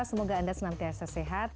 semoga anda senang terasa sehat